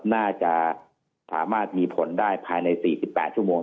น่าจะประมาณมีผลผลได้ภายใน๔๘ชั่วโมง